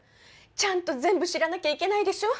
ちゃんと全部知らなきゃいけないでしょ。